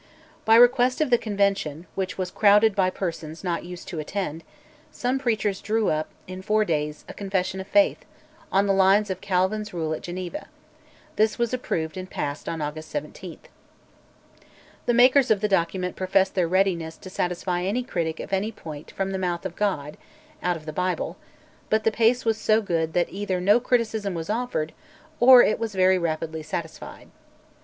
By request of the Convention (which was crowded by persons not used to attend), some preachers drew up, in four days, a Confession of Faith, on the lines of Calvin's rule at Geneva: this was approved and passed on August 17. The makers of the document profess their readiness to satisfy any critic of any point "from the mouth of God" (out of the Bible), but the pace was so good that either no criticism was offered or it was very rapidly "satisfied."